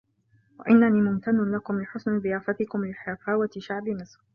وإنني ممتن لكم لحسن ضيافتكم ولحفاوة شعب مصر.